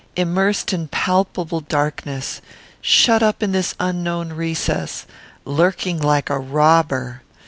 Immersed in palpable darkness! shut up in this unknown recess! lurking like a robber!